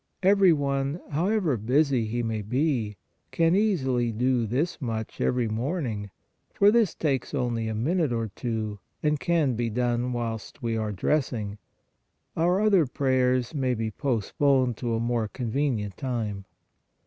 Every one, however busy he may be, can easily do this much every morn ing, for this takes only a minute or two and can be done whilst we are dressing ; our other prayers may be postponed to a more convenient time.